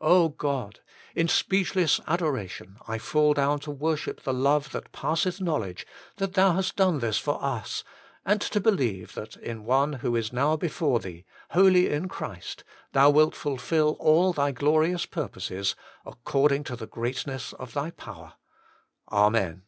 God ! in speechless adoration I fall down to worship the love that passeth knowledge, that hath done this for us, and to believe that in one who is now before Thee, holy in Christ, Thou wilt fulfil all Thy 54 HOLY IN CHRIST. glorious purposes according to the greatness of Thy power. Amen.